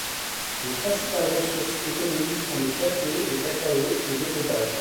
Les principales ressources économiques sont le café, le cacao, et l'élevage.